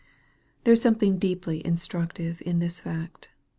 There is something deeply instructive in this fact.